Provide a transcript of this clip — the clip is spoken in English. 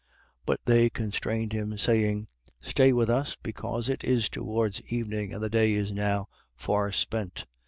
24:29. But they constrained him, saying: Stay with us, because it is towards evening and the day is now far spent.